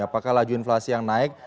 apakah laju inflasi yang naik